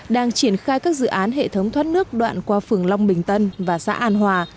đang triển khai các dự án hệ thống thoát nước đoạn qua phường long bình tân và xã an hòa